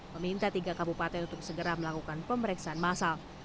meminta tiga kabupaten untuk segera melakukan pemeriksaan massal